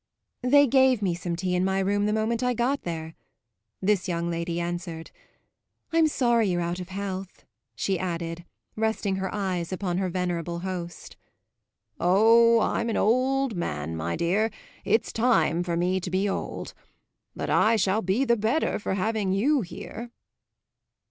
"They gave me some tea in my room the moment I got there," this young lady answered. "I'm sorry you're out of health," she added, resting her eyes upon her venerable host. "Oh, I'm an old man, my dear; it's time for me to be old. But I shall be the better for having you here."